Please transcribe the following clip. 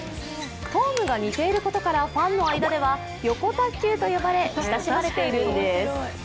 フォームが似ていることからファンの間ではよこたっきゅうと呼ばれ親しまれているんです。